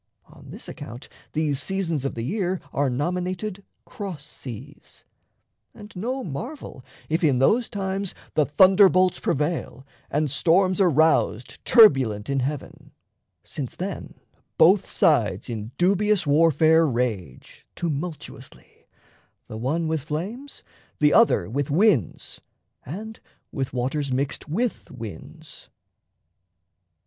On this account these seasons of the year Are nominated "cross seas." And no marvel If in those times the thunderbolts prevail And storms are roused turbulent in heaven, Since then both sides in dubious warfare rage Tumultuously, the one with flames, the other With winds and with waters mixed with winds.